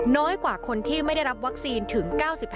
น้อยกว่าคนที่ไม่ได้รับวัคซีนถึง๙๕